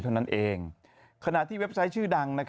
เท่านั้นเองขณะที่เว็บไซต์ชื่อดัง